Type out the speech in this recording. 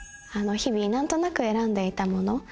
日々何となく選んでいたもの。